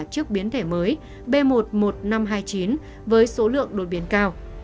trước biến thể mới b một một năm trăm hai mươi chín với số lượng đột biến cao